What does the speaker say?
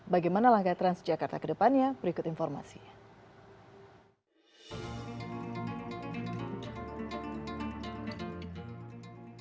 bagaimana langkah transjakarta ke depannya berikut informasinya